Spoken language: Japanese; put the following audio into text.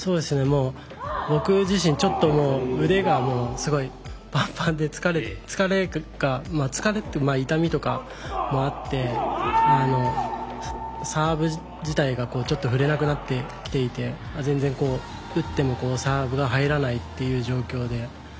僕自身ちょっと腕がぱんぱんで疲れが疲れて痛みとかもあってサーブ自体がちょっと振れなくなってきていて全然打ってもサーブが入らないっていう状況で。